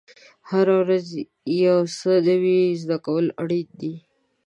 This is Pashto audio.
هره ورځ یو څه نوی زده کول اړین دي.